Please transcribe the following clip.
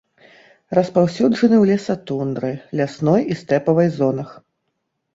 Распаўсюджаны ў лесатундры, лясной і стэпавай зонах.